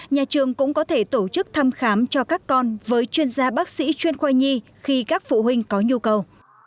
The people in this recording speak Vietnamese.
nhà trường cũng có thể tổ chức thăm khám cho các con với chuyên gia bác sĩ chuyên khoai nhi khi các phụ huynh có nhu cầu